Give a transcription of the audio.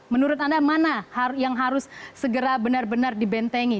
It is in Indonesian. menurut anda mana yang harus segera benar benar dibentengi